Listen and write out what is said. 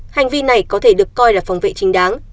hành vi này có thể được coi là phòng vệ chính đáng